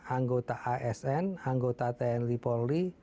bukan anggota asn anggota tn lipoli